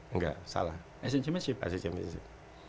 enggak salah asia championship